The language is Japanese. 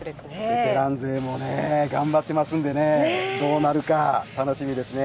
ベテラン勢もね、頑張ってますのでどうなるか、楽しみですね。